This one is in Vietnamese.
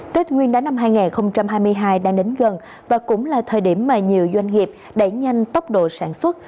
tết nguyên đá năm hai nghìn hai mươi hai đang đến gần và cũng là thời điểm mà nhiều doanh nghiệp đẩy nhanh tốc độ sản xuất